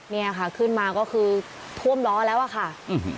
เนี่ยค่ะขึ้นมาก็คือท่วมล้อแล้วอะค่ะ